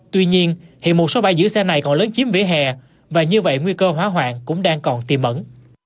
tuy nhiên hiện một số bãi dứa xe này còn lớn chiếm vế hè và như vậy nguy cơ hóa hoạn cũng đang còn tìm ẩn